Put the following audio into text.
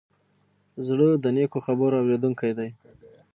زړه د نیکو خبرو اورېدونکی دی.